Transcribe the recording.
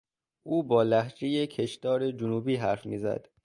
او با لهجهی کشدار جنوبی حرف میزد.